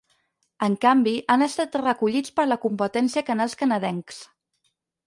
En canvi, han estat recollits per la competència canals canadencs.